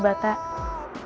makasih ya batu